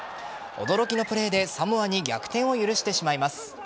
驚きのプレーでサモアに逆転を許してしまいます。